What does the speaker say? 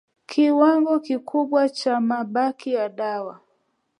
kiwango kikubwa cha mabaki ya dawa